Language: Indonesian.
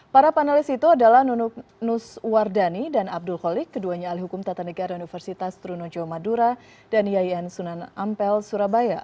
para panelis itu adalah nunuk nuswardani dan abdul khalid keduanya alih hukum tata negara universitas trunojo madura dan yayan sunan ampel surabaya